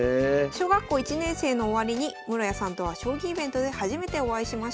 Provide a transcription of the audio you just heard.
小学校１年生の終わりに室谷さんとは将棋イベントで初めてお会いしました。